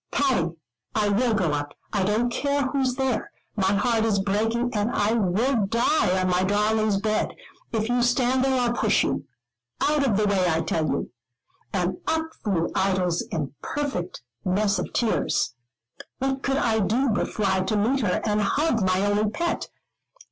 "Patty, I will go up. I don't care who's there. My heart is breaking, and I will die on my darling's bed. If you stand there, I'll push you. Out of the way, I tell you." And up flew Idols, in a perfect mess of tears. What could I do but fly to meet her, and hug my only pet?